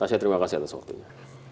saya terima kasih atas waktunya